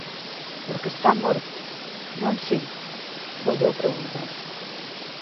Porque está morto, non si? —volveu preguntar.